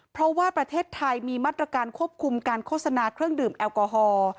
เพราะว่าประเทศไทยมีมาตรการควบคุมการโฆษณาเครื่องดื่มแอลกอฮอล์